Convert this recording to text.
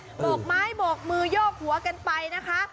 โบกไม้โบกมือโยกหัวกันไปนะคะ